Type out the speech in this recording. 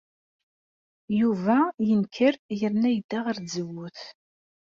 Yuba yenker yerna yedda ɣer tzewwut.